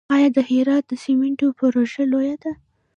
آیا د هرات د سمنټو پروژه لویه ده؟